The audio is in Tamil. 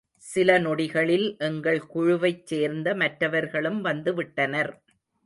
சில நொடிகளில் எங்கள் குழுவைச் சேர்ந்த மற்றவர்களும் வந்துவிட்டனர்.